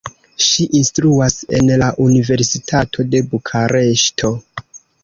Ŝi instruas en la Universitato de Bukareŝto.